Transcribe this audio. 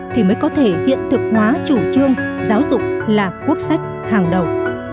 thì mới có thể hiện thực hóa chủ trương giáo dục là quốc sách hàng đầu